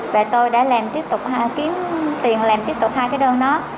về tôi đã làm tiếp tục hai kiếm tiền làm tiếp tục hai cái đơn đó